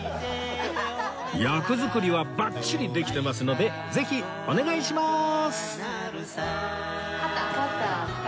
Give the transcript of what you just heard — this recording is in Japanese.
役作りはバッチリできてますのでぜひお願いしまーす！